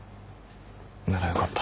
ならよかった。